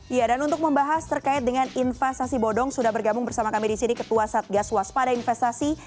ya dan untuk membahas terkait dengan investasi bodong sudah bergabung bersama kami di sini ketua satgas waspada investasi